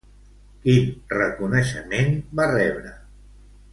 Quin reconeixement va rebre?